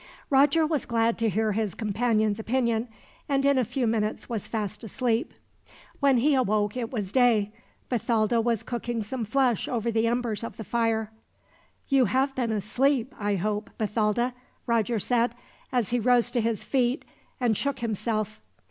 Roger was glad to hear his companion's opinion, and in a few minutes was fast asleep. When he awoke it was day. Bathalda was cooking some flesh over the embers of the fire. "You have been asleep, I hope, Bathalda?" Roger said, as he rose to his feet and shook himself.